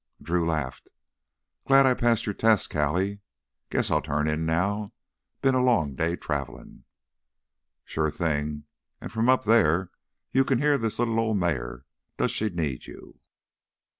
Drew laughed. "Glad I passed your test, Callie. Guess I'll turn in now. Been a long day travelin'—" "Sure thing. An' from up there you can hear this little old mare, does she need you."